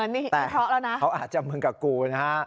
นี่วิเคราะห์แล้วนะเขาอาจจะมึงกับกูนะฮะ